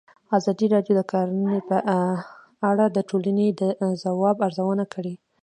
ازادي راډیو د کرهنه په اړه د ټولنې د ځواب ارزونه کړې.